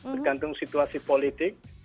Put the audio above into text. bergantung situasi politik